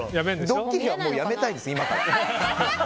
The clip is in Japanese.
ドッキリは今からやめたいです！